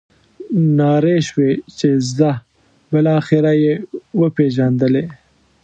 نارې شوې چې ځه بالاخره یې وپېژندلې.